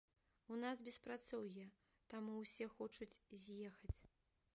У нас беспрацоўе, таму ўсе хочуць з'ехаць.